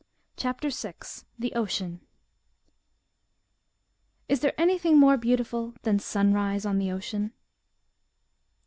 CHAPTER VI THE OCEAN Is there anything more beautiful than sunrise on the ocean?